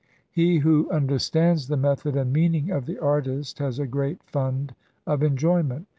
He who understands the method and meaning of the artist has a great fund of enjoyment.